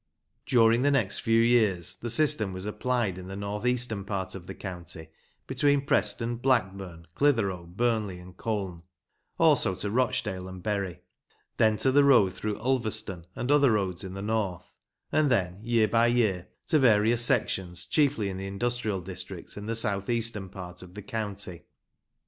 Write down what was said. During the next few years the system was applied in the north eastern part of the county between Preston, Blackburn, OLD TIME TRAVEL IN LANCASHIRE 75 Clitheroe, Burnley, and Colne; also to Rochdale and Bury; then to the road through Ulverston and other roads in the north; and then, year by year, to various sections, chiefly in the industrial districts in the south eastern part of the county.